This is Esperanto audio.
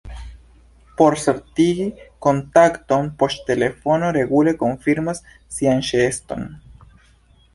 Por certigi kontakton poŝtelefono regule konfirmas sian ĉeeston.